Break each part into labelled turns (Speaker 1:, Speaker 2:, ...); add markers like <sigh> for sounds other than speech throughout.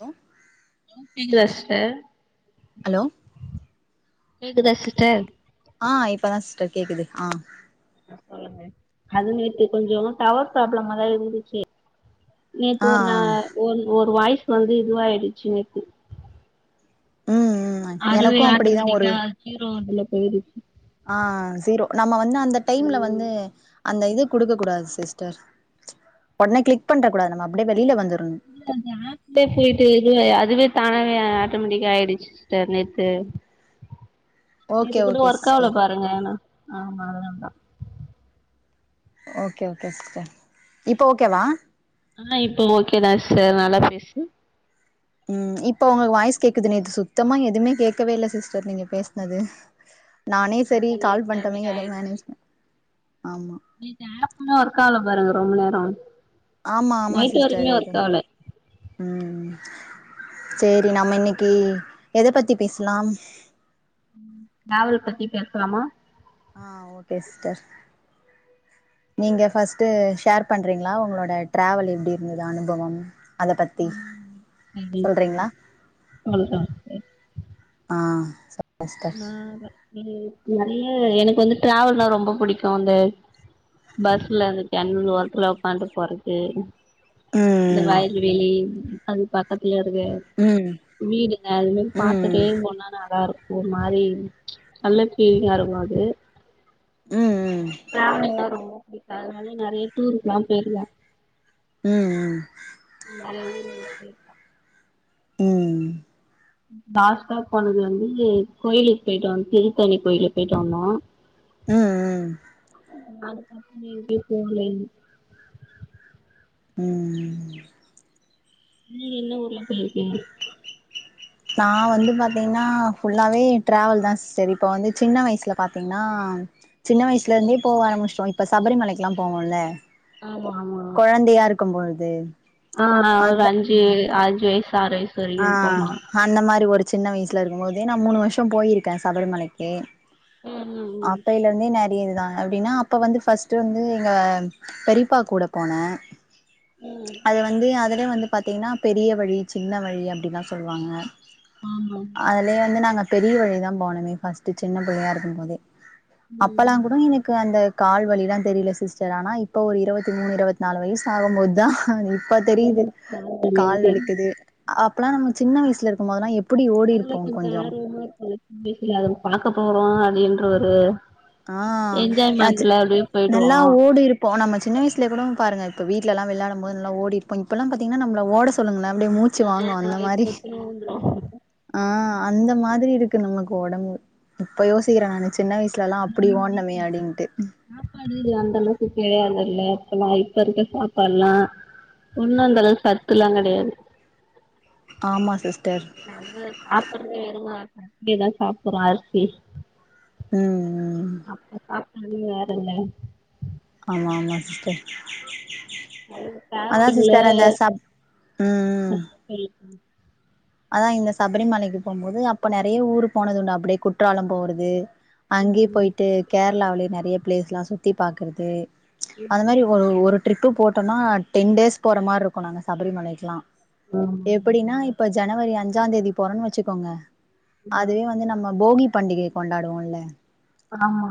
Speaker 1: தோ
Speaker 2: ஓகேங்களா sister
Speaker 1: hello
Speaker 2: கேக்குதா சிஸ்டர்
Speaker 1: ஆ இப்பதா சிஸ்டர் கேக்குது ஆ
Speaker 2: சொல்லுங்க அது நேத்து கொஞ்சோ டவர் ப்ராப்ளமாதா இருந்துச்சு நேத்து
Speaker 1: ஆ
Speaker 2: ஒரு ந ஒ ஒரு வாய்ஸ் வந்து இதுவாயிடுச்சு நேத்து
Speaker 1: ம் ம்
Speaker 2: அதுவே
Speaker 1: எனக்கு அப்டிதா ஒரு
Speaker 2: ஆட்டோமேட்டிக்கா ஜீரோ இதுல போயிருச்சு
Speaker 1: ஆ ஜீரோ நம்ம வந்து அந்த டைம்ல
Speaker 2: ம்
Speaker 1: வந்து அந்த இது குடுக்க கூடாது சிஸ்டர் ஒடனே கிளிக் பண்ற கூடாது நம்ம அப்டியே வெளில வந்துறணு
Speaker 2: <inaudible> பேசிட்டு இது அதுவே தானே ஆட்டோமேட்டிக்கா ஆயிடுச்சு சிஸ்டர் நேத்து நேத்து
Speaker 1: ஓகே
Speaker 2: கூட
Speaker 1: ஓகே
Speaker 2: ஒர்க் ஆகல
Speaker 1: சிஸ்டர்
Speaker 2: பாருங்க ஆனா ஆமா அதா
Speaker 1: ஓகே ஓகே சிஸ்டர் இப்ப ஓகேவா
Speaker 2: ஆ இப்ப ஓகே தா சிஸ்டர் நல்லா பேசு
Speaker 1: ம் இப்போ உங்களுக்கு வாய்ஸ் கேக்குதுன்னு நேத்து சுத்தமா எதுமே கேக்கவே இல்ல சிஸ்டர் நீங்க பேசுனது
Speaker 2: <inaudible>
Speaker 1: நானே செரி
Speaker 2: அதா
Speaker 1: கால்
Speaker 2: நேத்து அது
Speaker 1: பண்ணிடோமே
Speaker 2: மாரி
Speaker 1: எதோ
Speaker 2: ஆயிடுச்சு
Speaker 1: மேனேஜ் ஆமா
Speaker 2: <inaudible> பாருங்க ரொம்ப நேரோ
Speaker 1: ஆமா ஆமா
Speaker 2: நைட்
Speaker 1: சிஸ்டர்
Speaker 2: வரைக்குமே
Speaker 1: எது
Speaker 2: ஒர்க் ஆவல
Speaker 1: ம் சேரி நம்ம இன்னிக்கி எத பத்தி பேசலாம்
Speaker 2: நாவல் பத்தி பேசலாமா
Speaker 1: ஆ ஓகே சிஸ்டர்
Speaker 2: <inaudible>
Speaker 1: நீங்க ஃபஸ்ட்டு ஷேர் பண்றீங்களா உங்களோட டிராவல் எப்டி இருந்தது அனுபவம் அத பத்தி
Speaker 2: நன்றி
Speaker 1: சொல்றீங்களா
Speaker 2: அவ்ளோ தா
Speaker 1: ஆ சொல்லுங்க சிஸ்டர்
Speaker 2: ஆ நெறைய எனக்கு வந்து டிரவல்லா ரொம்ப புடிக்கு அந்த பஸ்ல அந்த ஜன்னல் ஓரத்துல உக்கான்ட்டு போறது
Speaker 1: ம்
Speaker 2: இந்த வயல்வெளி அது பக்கத்துல இருக்க
Speaker 1: ம்
Speaker 2: வீடுங்க அதுமாரி பாத்துட்டே
Speaker 1: ம்
Speaker 2: போனா நல்லா இருக்கு ஒரு மாரி நல்ல பீலிங்கா இருக்கு அது
Speaker 1: ம்
Speaker 2: டிராவலிங்னா ரொம்ப புடிக்கு அதனால நெறைய டூருக்குல்லா போயிருக்கே
Speaker 1: ம் ம்
Speaker 2: நிறைய ஊருக்கு போயிருக்கே
Speaker 1: ம்
Speaker 2: லாஸ்டா போனது வந்து கோயிலுக்கு போயிட்டு வந்து திருத்தணி கோயிலுக்கு போயிட்டு வந்தோ
Speaker 1: ம் ம்
Speaker 2: அதுக்கப்றோ எங்கேயு போகலிங்க
Speaker 1: ம்
Speaker 2: நீங்க என்ன ஊர்லா போயிருக்கீங்க
Speaker 1: நா வந்து பாத்தீங்கன்னா ஃபுல்லாவே டிராவல் தா சிஸ்டர் இப்ப வந்து சின்ன வயசுல பாத்தீங்கன்னா சின்ன வயசுல இருந்தே போக ஆரம்பிச்சுடோ இப்ப சபரிமலைக்குல்லா போவோல்ல
Speaker 2: ஆமா ஆமா
Speaker 1: கொழந்தையா இருக் க்கும்பொழுது
Speaker 2: ஆ ஒரு அஞ்சு அஞ்சு வயிசு ஆறு வயிசு
Speaker 1: ஆ அந்த மாரி ஒரு சின்ன வயசுல இருக்கும் போதே நா மூணு வருஷோ போயிருக்கே சபரிமலைக்கு
Speaker 2: ம்
Speaker 1: அப்பைல இருந்தே நெறைய இதுதா அப்டின்னா அப்போ வந்து ஃபஸ்ட்டு வந்து எங்க பெரியப்பா கூட போனே
Speaker 2: ம் ம்
Speaker 1: அது வந்து அதுலயே வந்து பாத்தீங்கன்னா பெரிய வழி சின்ன வழி அப்டிதா சொல்லுவாங்க
Speaker 2: ஆமா
Speaker 1: அதுலயே வந்து நாங்க பெரிய வழிதா போனோமே ஃபஸ்ட்டு சின்ன பிள்ளையா இருக்கும் போதே அப்பலா கூட எனக் கு அந்த கால்வலில்லா தெரில சிஸ்டர் ஆனா இப்ப ஒரு இருவத்தி மூணு இருவத் நாலு வய்ஸ் ஆகும்போத் தா இப்ப தெரியுது
Speaker 2: ஆமா
Speaker 1: கால்
Speaker 2: ம்
Speaker 1: வலிக்குது அப்லா நம்ம சின்ன வய்சுல இருக்க மோதுலா எப்புடி ஓடிருப்போ கொஞ்சோ
Speaker 2: என்னாச் சொல்லு புடிக்கில அத பாக்க போறோ அப்டின்ற ஒரு
Speaker 1: ஆ ஆச்சு
Speaker 2: என்ஜாய்மெண்ட்ல அப்டியே போயிடுவோ
Speaker 1: நல்லா
Speaker 2: ஆ
Speaker 1: ஓடிருக் போ நம்ம சின்ன வய்ஸ்ல கூடோ இப்ப பாருங்க இப்ப வீட்லலெல்லா விளாயடம் போது நல்லா ஓடிர்ப்போ இப்பல்லா பாத்திங்ன்னா நம்மள ஓட சொல்லுங்கள அப்டே மூச்
Speaker 2: ஆ எத்தோன ஊந்துருவே
Speaker 1: ஆ அந்த மாதிரி இருக்கு நமக்கு ஒடம்பு இப்ப யோசிக்குற நானு சின்ன வய்சுல அப்டி ஓட்னமே
Speaker 2: ஆனா
Speaker 1: அப்டின்ட்டு
Speaker 2: சாப்பாடு இது அந்த அளவுக்கு கெடயாதுல அப்பல்லா இப்பருக்க சாப்பாட்லா ஒன்னு அந்தளவுக் சத்துல்லா கடயாது
Speaker 1: ஆமா சிஸ்டர்
Speaker 2: நம்ம சாப்புட்றோ வெறும் அரிசி <unintelligible> தா சாப்புட்றோ அரிசி
Speaker 1: ம் ம்
Speaker 2: அப்ப சாப்டது வேறல்ல
Speaker 1: ஆமா ஆமா சிஸ்டர்
Speaker 2: அது
Speaker 1: அதா
Speaker 2: டிராவலிங்ல
Speaker 1: சிஸ்டர் அந்த சப் ம்
Speaker 2: <unintelligible>
Speaker 1: அதா இந்த சபரி மலைக்கு போம்மோது அப்ப நெறய ஊருக் போனது உண்டு அப்டே குற்றாலம் போறது அங்யே
Speaker 2: ம்
Speaker 1: போய்ட்டு கேர்ளாவுலே நெறய ப்ளேஸ்லா சுத்தி பாக்கறது அந்த மாதிரி ஒரு ஒரு ட்ரிப்பு போட்டோன்னா டென் டேஸ் போற மார்ருக்கு நாங்க சபரிமலைக்லா
Speaker 2: ம்
Speaker 1: எப்புடின்னா இப்ப ஜனவரி அஞ்சாந் தேதி போறோன் வெச்சுக்கோங்க
Speaker 2: ஆ
Speaker 1: அதுவே வந்து நம்ம போகிப் பண்டிகைக் கொண்டாடுவோல்ல
Speaker 2: ஆமா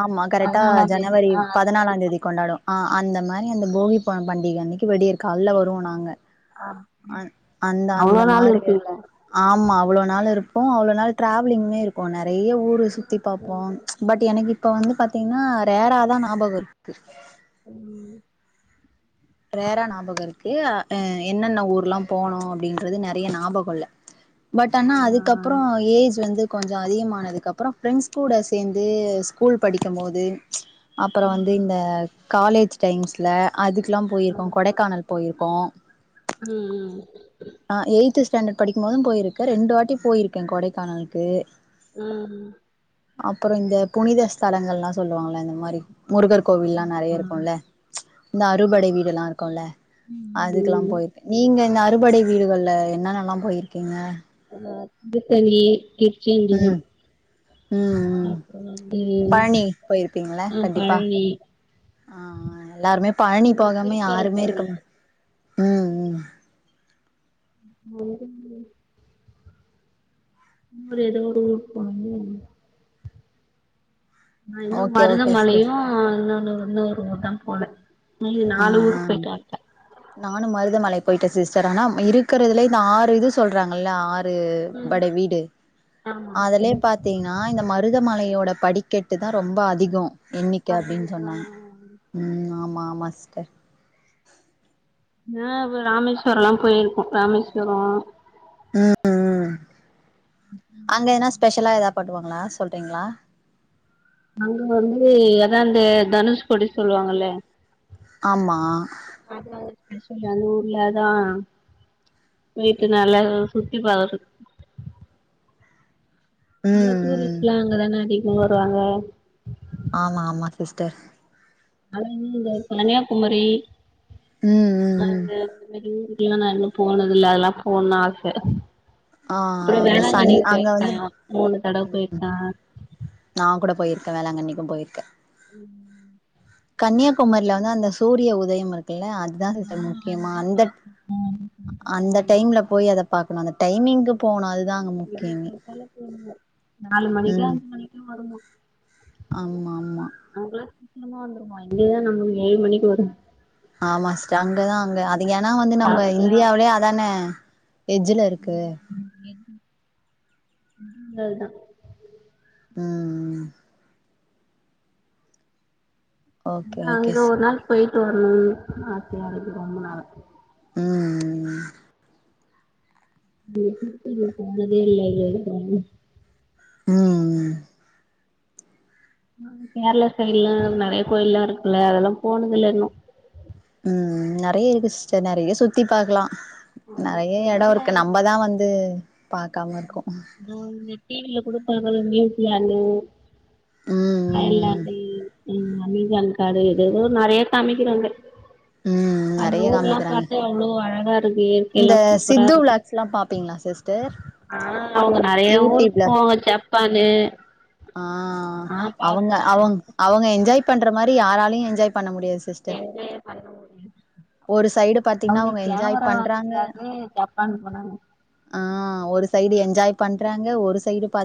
Speaker 1: ஆமா கரெக்ட்டா
Speaker 2: பதினாலாந் தேதி
Speaker 1: ஜனவரி
Speaker 2: ஆ அது மாரி
Speaker 1: பதனாலாந் தேதி கொண்டாடுவோ ஆ அந்த மாரி அந்த போகி பண்டிக அன்னிக்கி விடியற்க் கால்ல வருவோ நாங்க
Speaker 2: ஆ <unintelligible> அவ்ளோ நாள்
Speaker 1: மாருக
Speaker 2: இருப்பீங்ளா
Speaker 1: ஆம்மா அவ்ளோ நாள் இருப்போ அவ்ளோ நாள் ட்ராவ்லிங்லே இருக்கோ நெறய ஊர் ஊர சுத்தி பாப்போ பட் எனக்கு இப்ப வந்து பாத்திங்ன்னா ரேரா தா ஞாபகோ இருக்கு
Speaker 2: ம்
Speaker 1: ரேரா ஞாபகோ இருக்கு அ என்னென்ன ஊர்லா போனோ அப்டின்றது நெறய ஞாபகோ இல்ல பட் ஆனா அதுக்கப்பறோ ஏஜ் வந்து கொஞ்சோ அதிகமானதுக்கு அப்பறோ ஃப்ரெண்ட்ஸ் கூட சேர்ந்து ஸ்கூல் படிக்கமோது அப்பறோ வந்து இந்த
Speaker 2: ம்
Speaker 1: காலேஜ் டைம்ஸ்ல அதுக்லா போய்ருக்கோ கொடைக்கானல் போய்ருக்கோ
Speaker 2: ம் ம்
Speaker 1: ஆ எய்ட்த்து ஸ்டாண்டர்ட் படிக்கு மோதும் போய்ருக்க ரெண்டு வாட்டி போய்ருக்கே கொடைக்கானல்க்கு
Speaker 2: ம்
Speaker 1: அப்பறோ இந்த புனித ஸ்தலங்கள்லா சொல்லுவாங்கல்ல இந்த மாரி முருகர் கோவில்லா நெறய
Speaker 2: ம்
Speaker 1: இருக்கும்ல இந்த அறுபடை வீடு எல்லா இருக்கோல்ல
Speaker 2: ம்
Speaker 1: அதுக்லா
Speaker 2: ம்
Speaker 1: போய்ர்க் நீங்க இந்த அறுபடை வீடுகள்ல என்னன்னல்லா போய்ர்க்கிங்க
Speaker 2: ஆ திருத்தணி திருச்செந்தூர்
Speaker 1: ம் ம் ம்
Speaker 2: அப்றோ வந்து
Speaker 1: பழனி போய்ருப்பிங்கல்ல
Speaker 2: ஆ
Speaker 1: கண்டிப்பா
Speaker 2: பழனி
Speaker 1: ஆ ஆ எல்லாருமே பழனி போகாம யாருமே
Speaker 2: திருப்பரங்குன்றோ
Speaker 1: இருக்க மா ம் ம்
Speaker 2: <unintelligible> ஊரு எதோ ஒரு ஊருக்கு <unintelligible> நா இன்னு
Speaker 1: ஓகே ஓகே
Speaker 2: மருதமலையு
Speaker 1: சிஸ்டர்
Speaker 2: ஆஹ் இன்னொன்னு இன்னொரு ஊரு தா போல மீதி
Speaker 1: ஆ
Speaker 2: நாலு ஊருக்கு போய்ட்டு
Speaker 1: ஆ
Speaker 2: வந்த்ட்டே
Speaker 1: நானு மருதமலை போயிட்ட சிஸ்டர் ஆனா இருக்கிறதுலயே இந்த ஆறு இது சொல்றாங்கல்ல ஆறு று
Speaker 2: ம்
Speaker 1: படை வீடு
Speaker 2: ஆமா
Speaker 1: அதுலயே
Speaker 2: சொல்லு
Speaker 1: பாத்தீங்கன்னா அ இந்த மருதமலையோட படிக்கட்டு தா ரொம்ப அதிகொ எண்ணிக்க
Speaker 2: அது
Speaker 1: அப்பிடின்னு
Speaker 2: ஆ
Speaker 1: சொன்னாங்க ம் ஆமா ஆமா சிஸ்டர்
Speaker 2: ஆ ராமேஸ்வரல்லா போயிருக்கோ ராமேஸ்வரோ
Speaker 1: அங்க எதுனா ஸ்பெஷலா ஏதா பண்ணுவாங்களா சொல்றீங்களா
Speaker 2: அங்க வந்து ஏதா இந்த தனுஷ்கோடி சொல்லுவாங்கல்ல
Speaker 1: ஆமா
Speaker 2: அது அங்க ஸ்பெஷல் அந்த ஊர்லதான் வீட்ட நல்ல சுத்தி பாரு சுத் எல்லா
Speaker 1: ம் ம்
Speaker 2: டூரிஸ்ட்ல்லா அங்கதான அதிகமா வருவாங்க
Speaker 1: ஆமா ஆமா சிஸ்டர்
Speaker 2: அது என்னது இந்த கன்னியாகுமரி
Speaker 1: ம் ம்
Speaker 2: ஆ
Speaker 1: ம்
Speaker 2: அந்த மாரி ஊரு இல்ல நா இன்னு போனதுல்ல அதெல்லாம் போனும்னு ஆச
Speaker 1: ஆ
Speaker 2: அப்றம்
Speaker 1: அங்க சன்
Speaker 2: வேளாங்கண்ணி
Speaker 1: அங்க
Speaker 2: போயிருக்கே
Speaker 1: வந்து
Speaker 2: மூணு தடவ போயிருக்கே
Speaker 1: நாங் கூட போயிருக்க வேளாங்கண்ணிக்கும் போயிருக்கே
Speaker 2: ம்
Speaker 1: கன்னியாகுமரியில வந்து அந்த சூரிய உதயம் இருக்கு இல்ல அதா
Speaker 2: ஆ
Speaker 1: அது முக்கியமா
Speaker 2: அதுதா
Speaker 1: அந்த
Speaker 2: பாக்கணு
Speaker 1: அந்த
Speaker 2: ஆமா
Speaker 1: டைம் ல போய் அத பாக்கணு அந்த டைமிங்க்கு போனு அதுதா அங்க
Speaker 2: விடிய
Speaker 1: முக்கியமே
Speaker 2: காத்தால நாலு மணிக்கு
Speaker 1: ம்
Speaker 2: அஞ்சு மணிக்குள்ள வருமா
Speaker 1: ஆமா ஆமா
Speaker 2: அங்கலா சீக்கிரமா வந்துருமா இங்கதா நம்ளுக்கு ஏழு மணிக்கு வரும்
Speaker 1: ஆமா சிஸ்டர் அங்கதா அங்க அது ஏன்னா வந்து நம்ம
Speaker 2: அங்கலா
Speaker 1: இந்தியாவிலேயே அதான எட்ஜ் ல இரு இருக்கு
Speaker 2: <inaudible> அதாதா
Speaker 1: ம்ம்ம் ஓகே
Speaker 2: அதான்
Speaker 1: ஓகே
Speaker 2: அங்க
Speaker 1: சிஸ்
Speaker 2: ஒரு நாள் போயிட்டு வரணும் ஆசையா இருக்கு ரொம்ப நாளா
Speaker 1: ம்
Speaker 2: <unintelligible>
Speaker 1: ம்
Speaker 2: ஆ கேரள சைடல நெறைய கோயில்லா இருக்குல்ல அதெல்லா போனது இல்ல இன்னும்
Speaker 1: ம் நிறைய இருக்கு சிஸ்டர் நிறைய சுத்தி பாக்கலா
Speaker 2: ஆமா
Speaker 1: நெறைய எட இருக்கு
Speaker 2: எங்க
Speaker 1: நம்பதா வந்து பாக்காம இருக்கோ
Speaker 2: ஆமா டிவில குடுப்பாங்க நியூஸ்ல ஹலோ
Speaker 1: ம் ம்
Speaker 2: <unintelligible> அமேசான் காடு ஏதேதோ நெறைய காமிக்கிறாங்க
Speaker 1: ம்
Speaker 2: அந்த
Speaker 1: நெறைய
Speaker 2: ஊர்லா
Speaker 1: காமிக்கிறாங்க
Speaker 2: பாத்தா எவ்ளோ அழகா இருக்கு
Speaker 1: இந்த
Speaker 2: இயற்கைலா சூப்பரா
Speaker 1: சித்து
Speaker 2: இருக்கு
Speaker 1: விளாக்ஸ்லா பாப்பீங்களா சிஸ்டர்
Speaker 2: அவங்க நெறைய ஊருக்கு
Speaker 1: யூடியூப்ல
Speaker 2: போவாங்க ஜப்பான்னு
Speaker 1: ஆ அவங்க அவங் அவங்க என்ஜாய் பண்ற மாரி யாராலையு என்ஜாய் பண்ண முடியாது சிஸ்டர்
Speaker 2: என்ஜாயே
Speaker 1: ஒரு சைடு பாத்தீங்கன்னா
Speaker 2: அவங்க
Speaker 1: என்ஜாய்
Speaker 2: கேமரா
Speaker 1: பண்றாங்க
Speaker 2: வாங்கறதுக்காகவே ஜப்பான் போனாங்க
Speaker 1: ஆ ஒரு சைடு என்ஜாய் பண்றாங்க ஒரு சைடு பா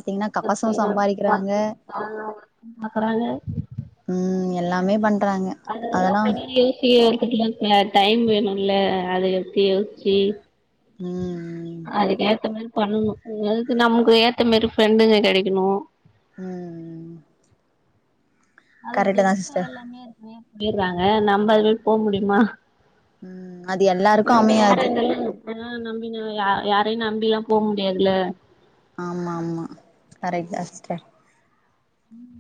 Speaker 2: <inaudible> பாக்கறாங்க
Speaker 1: ம் எல்லாமே பண்றாங்க
Speaker 2: அதெல்லாம்
Speaker 1: அதெல்லா
Speaker 2: பண்ண யோசி ஒரு விருப்பத்துலருக்கற டைம் வேணுல்ல அத எடுத்து யோசிச்சு
Speaker 1: ம்
Speaker 2: அதுக்கு ஏத்த மாரி பண்ணணும் அதுக்கு நமக்கு ஏத்த மாரி ஃப்ரெண்டுங்க கிடைக்கணு
Speaker 1: ம்
Speaker 2: அது
Speaker 1: கரெக்ட் தா
Speaker 2: ஜென்சா
Speaker 1: சிஸ்டர்
Speaker 2: எல்லாமே இருக்குமே போயடுறாங்க நம்ம அதுமாரி போ முடியுமா
Speaker 1: ம் அது எல்லாருக்கு
Speaker 2: நம்ப யார்
Speaker 1: அமையாது
Speaker 2: இர்ந்தாலு நம்பினய யாரையும் நம்பில்லா போ முடியாதுல்ல
Speaker 1: ஆமா ஆமா கரெக்ட் தான் சிஸ்டர்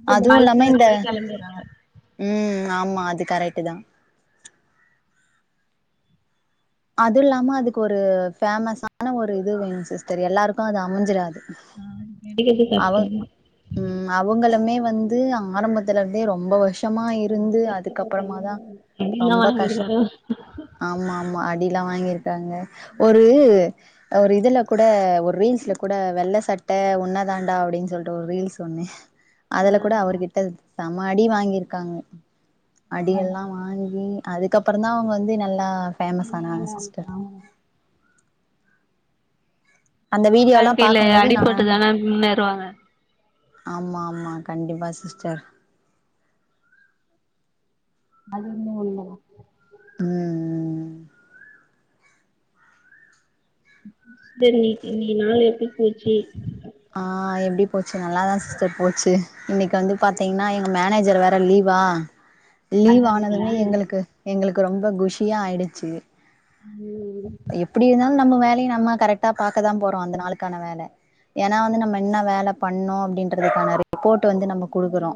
Speaker 2: இதே
Speaker 1: அதுவு
Speaker 2: பாய்ஸ்
Speaker 1: இல்லாம
Speaker 2: ஆ
Speaker 1: இந்த
Speaker 2: இருந்தவே கிளம்பிறாங்க
Speaker 1: ம் ஆமா அது கரட்டு தான் அதுல்லாம அதுக்கு ஒரு ஃபேமஸான ஒரு இது வேணும் சிஸ்டர் எல்லாருக்கும் அது அமஞ்சுறாது
Speaker 2: ம் கேடக்கிறாது கஷ்டந்தா
Speaker 1: ம் அவங்களுமே வந்து ஆரம்பத்துல இருந்தே ரொம்ப வருஷ மா
Speaker 2: ரொம்ப
Speaker 1: இருந்து அதுக்கப்பறமா தா
Speaker 2: கஷ்டப்பட்டாங்க அடிலாம்
Speaker 1: ரொம்ப கஷ்
Speaker 2: வாங்கிருக்காரு
Speaker 1: ஆமா ஆமா அடில்லா வாங்கிருக்காங்க ஒரு ஒரு இதுல கூட ஒரு ரீல்ஸ்ல கூட வெள்ள சட்ட ஒன்னதாண்டா அப்டினு சொல்ட்டு ஒரு ரீல்ஸ் ஒன்னு அதுல கூட அவர்கிட்ட சமடி வாங்கிருக்காங்க அடியெல்லா வாங்கி அதுக்கப்பறந்தா அவுங்க வந்து நல்லா ஃபே
Speaker 2: இனிமேல்தா ஆமா
Speaker 1: அந்த வீடியோ ல்லா
Speaker 2: வாழ்க்கையில
Speaker 1: பாக்கம்போது நான்
Speaker 2: அடிபட்டுதான முன்னேறுவாங்க
Speaker 1: ஆமா ஆமா கண்டிப்பா சிஸ்டர்
Speaker 2: அது இன்னு உள்ளதா
Speaker 1: ம்
Speaker 2: செரி இன்னிக்கு நாலு எப்டி போச்சி
Speaker 1: ஆ எப்டி போச்சு நல்லாதா சிஸ்டர் போச்சு இன்னைக்கு வந்து பாத்தீங்கனா எங்க மேனேஜர் வேற லீவா லீவ்
Speaker 2: லண்டன்லீங்களா
Speaker 1: ஆனதுமே எங்களுக்கு எங்களுக்கு ரொம்ப குஷியா ஆயிடுச்சு
Speaker 2: ம்
Speaker 1: எப்டி இருந்தாலும் நம்ம வேலய நம்ம கரெக்ட்டா பாக்கதா போறோம் அந்த நாளுக்கான வேல ஏனா வந்து நம்ம என்ன வேல பண்ணோம் அப்டின்றதுக்கான ரிப்போட்டு வந்து நம்ம குடுக்கறோ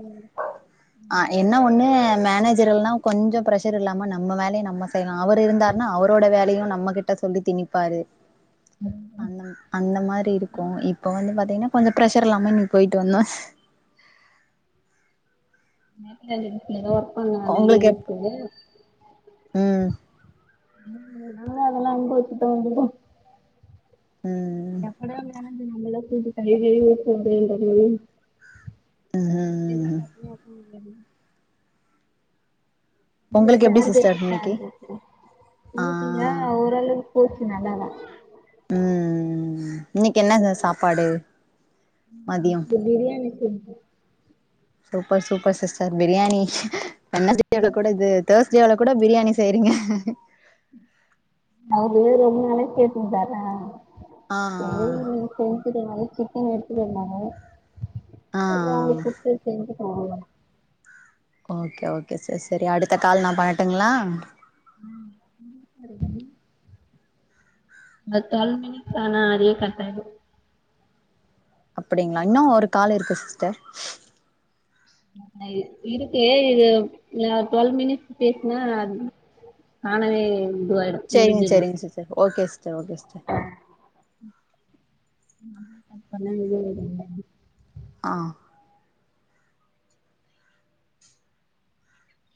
Speaker 1: ஆ என்ன ஒண்ணு மேனேஜர் இல்லனா கொஞ்சோ பிரஷர் இல்லாம நம்ம வேலய நம்ம செய்லா அவரு
Speaker 2: ஃப்ரீயா
Speaker 1: இருந்தார்னா அவரோட வேலையு நம்ம கிட்ட ட்ட சொல்லி தினிப்பாரு அந்த அந்த மாரி இருக்கு இப்ப வந்து பாத்தீங்கனா கொஞ்சொ ப்ஷர் இல்லாம நீ போய் <unintelligible>
Speaker 2: <unintelligible> எதோ ஒர்க் பண்ணாங்க
Speaker 1: உங்களுக்கு எப்ப
Speaker 2: நேத்து
Speaker 1: ம்
Speaker 2: <inaudible> அதெல்லா அதெல்லா அங்க வெச்சுட்டு வந்துரு டா
Speaker 1: ம்
Speaker 2: எப்டியே மெனேஜ் தூது தளி <unintelligible> எதிர்
Speaker 1: ம்
Speaker 2: பாத்து பூ உள்ளது
Speaker 1: உங்களுக்கு எப்டி
Speaker 2: பேற கேட்டு
Speaker 1: சிஸ்டர்
Speaker 2: பேற
Speaker 1: இன்னைக்கு ஆ
Speaker 2: இன்னிக்கி தா ஓரளவு போக்கு நல்ல இல்ல
Speaker 1: ம் இன்னைக்கி என்ன சாப்பாடு மதியம்
Speaker 2: பிரியாணி செஞ்சோ
Speaker 1: சூப்பர் சூப்பர் சிஸ்டர் பிரியாணி வென்னஸ்டேகு கூட இது தேர்ஸ்ட்டேவுல கூட பிரியாணி செய்றீங்க
Speaker 2: வேற எதுனாலு கேட்டுச்சு அதான்
Speaker 1: ஆ
Speaker 2: கோவ்ச்சிட்டதுனால சிக்கன் எடுத்து வந்தாங்க
Speaker 1: ஆ
Speaker 2: வாங்கி குடுத்த செஞ்சு ஆ
Speaker 1: ஓகே ஓகே சரி சரி அடுத்த கால் நா பண்ணட்டுங்ளா
Speaker 2: ம் ம் செரிங்க <inaudible> இங்க ட்டுவல்வ் மினிட்ஸ் ஆனா அதுவே கட் ஆயிரு
Speaker 1: அப்புடிங்ளா இன்னு ஒரு காலு இருக்கு சிஸ்டர்
Speaker 2: ஆ இருக்கு இது அ டுவல்வ் மினிட்ஸ் பேசுனா தானாவே இதுவாயிரு
Speaker 1: செரிங்க செரிங்க sister okay sister okay sister
Speaker 2: <inaudible>
Speaker 1: ஆ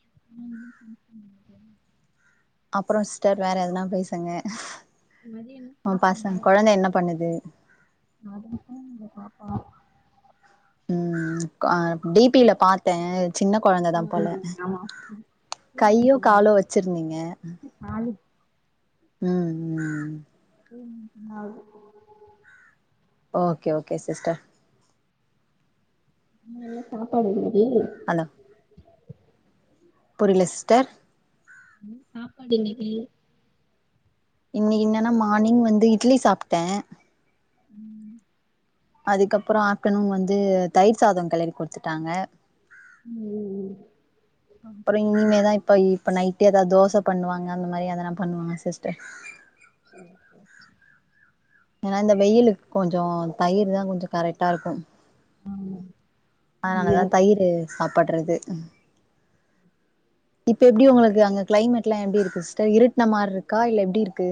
Speaker 2: <inaudible>
Speaker 1: அப்பறோ சிஸ்டர் வேற எதனா பேசுங்க
Speaker 2: மதியம் என்ன
Speaker 1: ஆ
Speaker 2: சாப்பிட்டீங்க
Speaker 1: பாசங்க கொழந்த என்ன பண்ணுது
Speaker 2: அதுங்க தூங்குது பாப்பா
Speaker 1: ம் ம் பா டி பி ல பாத்த சின்ன கொழந்ததா போல
Speaker 2: ஆமா
Speaker 1: கையோ காலோ வெச்சிருந்தீங்க
Speaker 2: நாளக்கி
Speaker 1: ம் ம் ம்
Speaker 2: ம் என்ன ஆக போகுதோ
Speaker 1: ஓகே ஓகே சிஸ்டர்
Speaker 2: என்ன எல்லா சாப்பாடு போகுது
Speaker 1: ஹலோ புரியல சிஸ்டர்
Speaker 2: பாப்பா <inaudible>
Speaker 1: இன்னைக்கு என்னன்னா மார்னிங் வந்து இட்லி சாப்ட
Speaker 2: ம்
Speaker 1: அதுக்கப்றோ ஆப்டர்நூன் வந்து தயிர் சாதோ களறி குடுத்துட்டாங்க
Speaker 2: ம் ம் ம்
Speaker 1: அப்றோ எங்கிங்க எதா இப்ப இப்ப நைட்டே ஏதா தோச பண்ணுவாங்க அந்த மாரி எதனா பண்ணுவாங்க சிஸ்டர்
Speaker 2: <inaudible>
Speaker 1: ஏன்னா இந்த வெயிலுக் கொஞ்ச தயிர்தா கொஞ்ச கரெக்டாருக்கு அதுனாலதா தயிரு சாப்பட்றது இப்ப எப்டி உங்களுக்கு அங்க கிளைமேட்லா எப்டி இருக்கு சிஸ்டர் இருட்ன மார்ருக்கா இல்ல எப்டிர்க்கு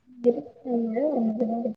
Speaker 2: <unintelligible>